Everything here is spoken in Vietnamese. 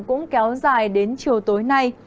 cũng kéo dài đến chiều tối nay